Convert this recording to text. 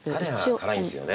種が辛いんですよね。